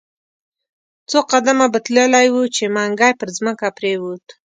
څو قدمه به تللی وو، چې منګی پر مځکه پریووت.